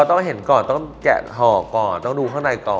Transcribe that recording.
ต้องแกะหอก่อนต้องดูข้างในก่อน